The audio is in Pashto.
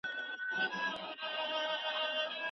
لمر په پټي کې د لمر وهلو بزګرانو مخونه نور هم تودول.